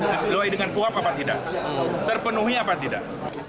sesuai dengan puhab apa tidak terpenuhi apa tidak